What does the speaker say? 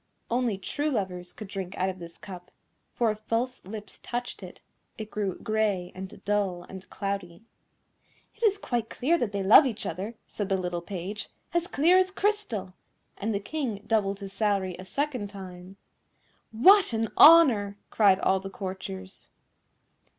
Only true lovers could drink out of this cup, for if false lips touched it, it grew grey and dull and cloudy. "It is quite clear that they love each other," said the little Page, "as clear as crystal!" and the King doubled his salary a second time. "What an honour!" cried all the courtiers.